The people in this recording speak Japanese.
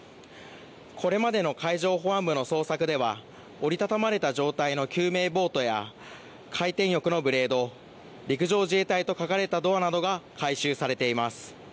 これまでの海上保安部の捜索では折り畳まれた状態の救命ボートや回転翼のブレード、陸上自衛隊と書かれたドアなどが回収されています。